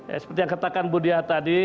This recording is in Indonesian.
ya seperti yang katakan bu diah tadi